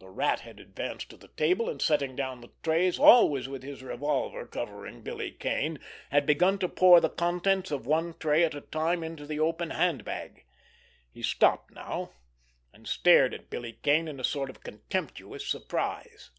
The Rat had advanced to the table, and, setting down the trays, always with his revolver covering Billy Kane, had begun to pour the contents of one tray at a time into the open hand bag. He stopped now, and stared at Billy Kane in a sort of contemptuous surprise.